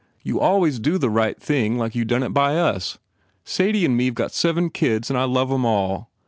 You always do the right thing like you done it by us. Sadie and me ve got seven kids and I love em all. ...